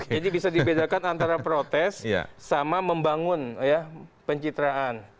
jadi bisa dibedakan antara protes sama membangun pencitraan